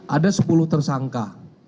ada sepuluh tersangka